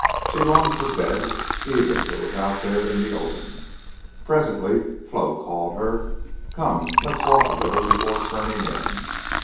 She longed for bed even if it was out there in the open. Presently Flo called her: "Come. Let's walk a little before turning in."